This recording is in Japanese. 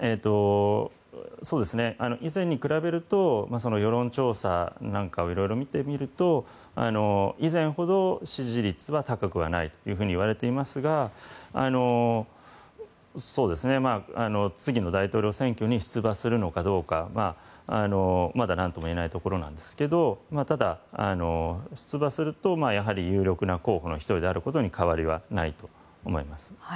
以前に比べると世論調査をいろいろ見てみると以前ほど支持率は高くはないといわれていますが次の大統領選挙に出馬するのかどうかはまだ何ともいえないところですがただ、出馬すると有力な候補の１人であることに変わりはないと思います。